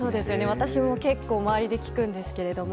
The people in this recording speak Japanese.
私も結構周りで聞くんですけど。